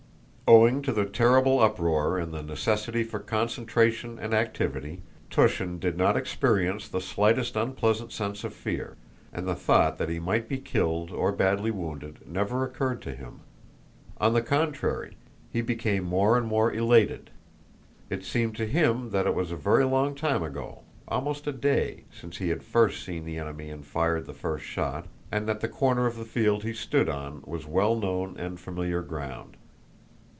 Owing to the terrible uproar and the necessity for concentration and activity, Túshin did not experience the slightest unpleasant sense of fear, and the thought that he might be killed or badly wounded never occurred to him. On the contrary, he became more and more elated. It seemed to him that it was a very long time ago, almost a day, since he had first seen the enemy and fired the first shot, and that the corner of the field he stood on was well known and familiar ground.